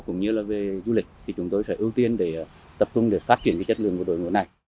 cũng như là về du lịch thì chúng tôi sẽ ưu tiên để tập trung để phát triển chất lượng của đội ngũ này